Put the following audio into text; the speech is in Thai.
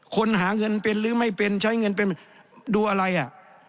หาเงินเป็นหรือไม่เป็นใช้เงินเป็นดูอะไรอ่ะ